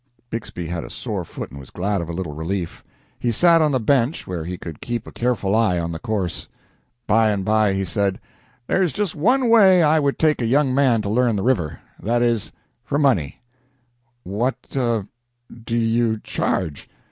Bixby had a sore foot and was glad of a little relief. He sat on the bench where he could keep a careful eye on the course. By and by he said "There is just one way I would take a young man to learn the river that is, for money." "What do you charge?"